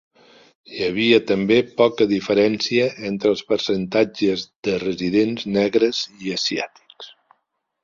Hi havia també poca diferència entre els percentatges de residents negres i asiàtics.